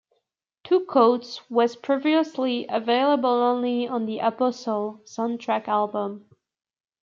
"Two Coats", was previously available only on "The Apostle" soundtrack album.